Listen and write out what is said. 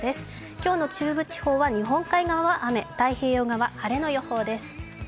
今日の中部地方は日本海側は雨、太平洋側、晴れの予報です。